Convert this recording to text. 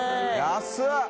安い！